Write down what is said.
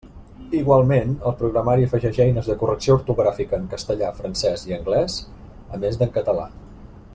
Igualment, el programari afegeix eines de correcció ortogràfica en castellà, francès i anglès, a més d'en català.